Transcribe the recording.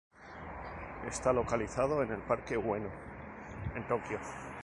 Está localizado en el Parque Ueno, en Tokio.